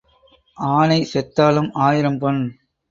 ஆனை செத்தாலும் ஆயிரம் பொன்.